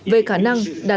về khả năng tự vệ của nga